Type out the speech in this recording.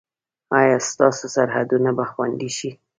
ایا ستاسو سرحدونه به خوندي شي؟